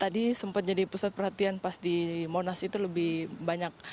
tadi sempat jadi pusat perhatian pas di monas itu lebih banyak